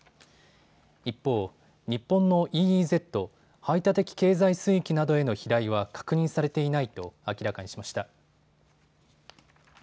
一方、日本のＥＥＺ・排他的経済水域などへの飛来は確認されていないと明らかにしました。